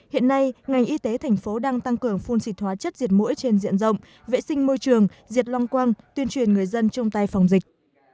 hiện nay ngành y tế thành phố đang tăng cường phun xịt hóa chất diệt mũi trên diện rộng vệ sinh môi trường diệt long quang tuyên truyền người dân chung tay phòng dịch